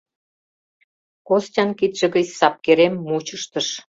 Костян кидше гыч сапкерем мучыштыш.